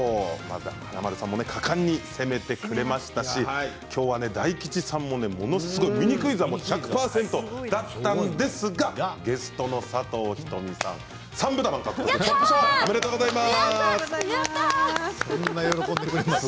華丸さんも果敢に攻めてくれましたしきょうは大吉さんも、ものすごくミニクイズは１００％だったのですがゲストの佐藤仁美さん３ぶたまん獲得おめでとうございます。